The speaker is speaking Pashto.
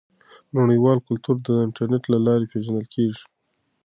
نړیوال کلتورونه د انټرنیټ له لارې پیژندل کیږي.